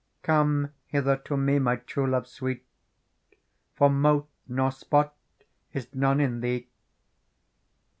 * Come hither to me, my true love sweet. For mote nor spot is none in thee